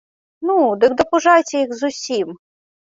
Ну, дык дапужайце іх зусім!